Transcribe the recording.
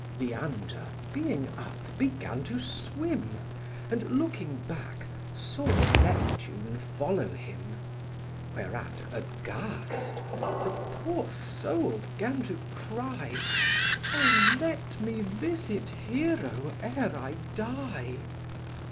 Leander, being up, began to swim, And, looking back, saw Neptune follow him: Whereat aghast, the poor soul gan to cry, "O, let me visit Hero ere I die!"